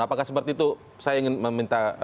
apakah seperti itu saya ingin meminta